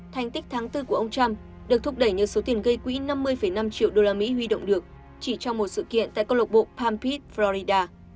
thành tích tháng bốn của ông trump được thúc đẩy như số tiền gây quý năm mươi năm triệu đô la mỹ huy động được chỉ trong một sự kiện tại con lộc bộ palm peak florida